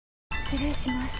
失礼します。